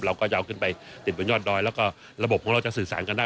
เราก็จะเอาขึ้นไปติดบนยอดดอยแล้วก็ระบบของเราจะสื่อสารกันได้